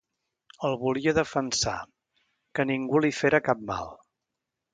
El volia defensar, que ningú li fera cap mal.